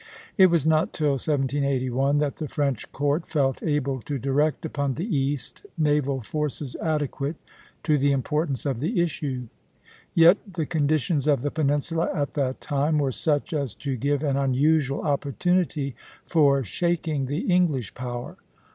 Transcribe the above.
It was not till 1781 that the French Court felt able to direct upon the East naval forces adequate to the importance of the issue. Yet the conditions of the peninsula at that time were such as to give an unusual opportunity for shaking the English power.